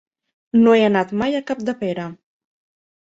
No he anat mai a Capdepera.